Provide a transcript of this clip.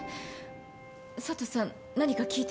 佐都さん何か聞いてる？